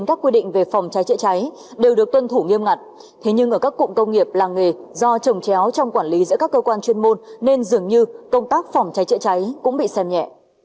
các cụm công nghiệp làng nghề do trồng chéo trong quản lý giữa các cơ quan chuyên môn nên dường như công tác phòng cháy chữa cháy cũng bị xem nhẹ